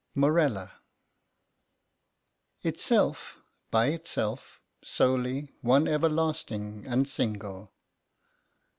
MORELLA Itself, by itself, solely, one everlasting, and single.